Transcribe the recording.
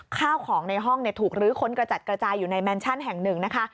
ข้าวของในห้องถูกลื้อค้นกระจัดกระจายอยู่ในแมนชั่นแห่งหนึ่งนะคะ